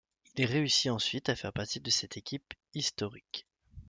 Il réussit ensuite à faire partie de cette équipe historique.